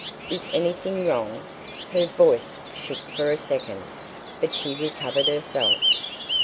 "Is anything wrong?" Her voice shook for a second, but she recovered herself.